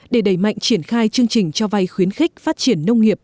để đẩy mạnh triển khai chương trình cho vay khuyến khích phát triển nông nghiệp